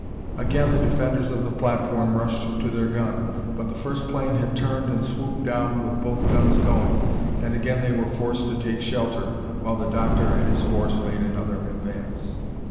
Again the defenders of the platform rushed to their gun, but the first plane had turned and swooped down with both guns going, and again they were forced to take shelter while the Doctor and his force made another advance.